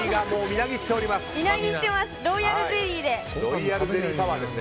みなぎってます！